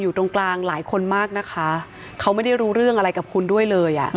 ตรงกลางหลายคนมากนะคะเขาไม่ได้รู้เรื่องอะไรกับคุณด้วยเลยอ่ะ